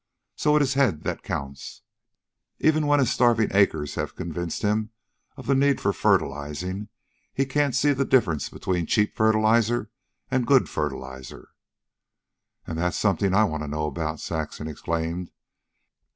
So it IS head that counts. Even when his starving acres have convinced him of the need for fertilizing, he can't see the difference between cheap fertilizer and good fertilizer." "And that's something I want to know about," Saxon exclaimed.